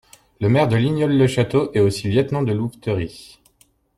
Le maire de Lignol-le-Château est aussi lieutenant de louveterie.